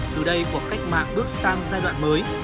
từ đây cuộc cách mạng bước sang giai đoạn mới